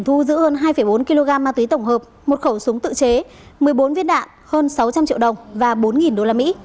thu giữ hơn hai bốn kg ma túy tổng hợp một khẩu súng tự chế một mươi bốn viên đạn hơn sáu trăm linh triệu đồng và bốn usd